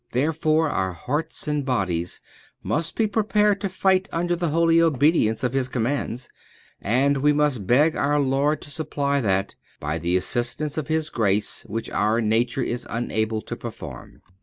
Therefore our hearts and bodies must be prepared to fight under the holy obedience of His commands, and we must beg our Lord to supply that, by the assistance of His grace, which our nature is unable to perform.